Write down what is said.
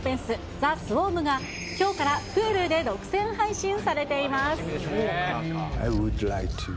ザ・スウォームが、きょうからＨｕｌｕで独占配信されています。